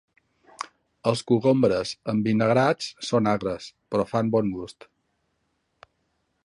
Els cogombres envinagrats són agres, però fan bon gust.